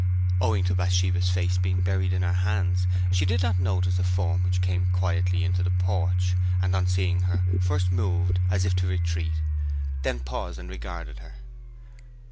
Owing to Bathsheba's face being buried in her hands she did not notice a form which came quietly into the porch, and on seeing her, first moved as if to retreat, then paused and regarded her.